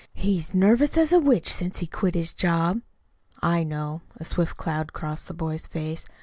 He's nervous as a witch since he quit his job." "I know." A swift cloud crossed the boy's face.